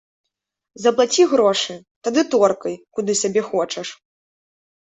Заплаці грошы, тады торкай, куды сабе хочаш!